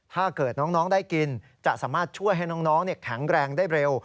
ถ้าเกิดน้องได้กินจะสามารถช่วยให้น้องแข็งแรงได้เร็ว